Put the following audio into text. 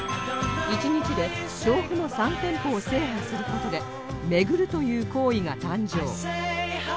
一日で調布の３店舗を制覇する事で「めぐる」という行為が誕生